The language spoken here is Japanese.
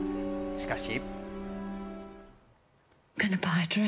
しかし。